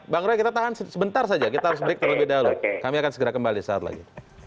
bang roy kita tahan sebentar saja kita harus break terlebih dahulu kami akan segera kembali saat lagi